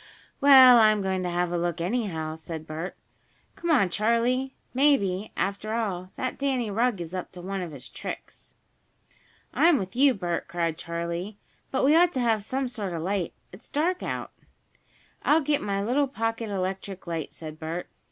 "Well, I'm going to have a look, anyhow," said Bert. "Come on, Charley. Maybe, after all, that Danny Rugg is up to some of his tricks." "I'm with you, Bert!" cried Charley. "But we ought to have some sort of a light. It's dark out." "I'll get my little pocket electric light," said Bert.